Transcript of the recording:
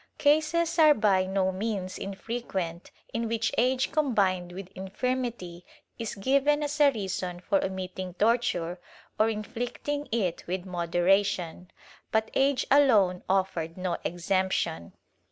^ Cases are by no means infrequent in which age combined with infirmity is given as a reason for omitting torture or inflicting it with moderation, but age alone offered no exemption.